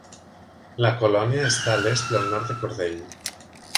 La colònia està a l'est i al nord de Cordell.